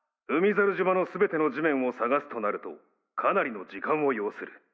猿島の全ての地面を捜すとなるとかなりの時間を要する。